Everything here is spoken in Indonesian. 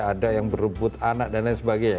ada yang berebut anak dan lain sebagainya